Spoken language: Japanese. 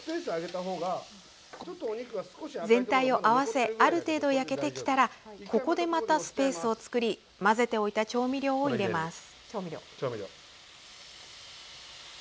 全体を合わせある程度、焼けてきたらここで、またスペースを作り混ぜておいた調味料を入れます。